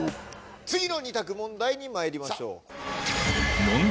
次の２択問題にまいりましょうさっ！